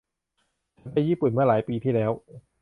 ฉันไปญี่ปุ่นเมื่อหลายปีที่แล้ว